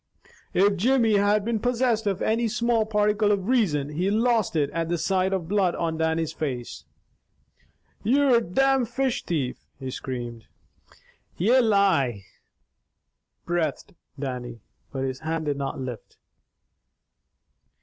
If Jimmy had been possessed of any small particle of reason, he lost it at the sight of blood on Dannie's face. "You're a domn fish thief!" he screamed. "Ye lie!" breathed Dannie, but his hand did not lift.